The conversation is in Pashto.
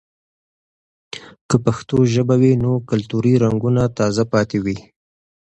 که پښتو ژبه وي، نو کلتوري رنګونه تازه پاتې وي.